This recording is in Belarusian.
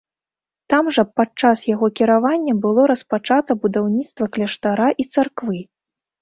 Там жа падчас яго кіравання было распачата будаўніцтва кляштара і царквы.